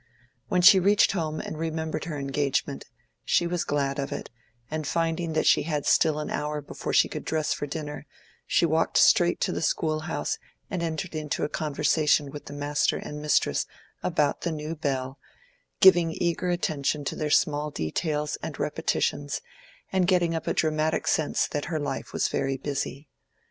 When she reached home and remembered her engagement, she was glad of it; and finding that she had still an hour before she could dress for dinner, she walked straight to the schoolhouse and entered into a conversation with the master and mistress about the new bell, giving eager attention to their small details and repetitions, and getting up a dramatic sense that her life was very busy.